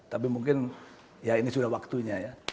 tapi mungkin ya ini sudah waktunya ya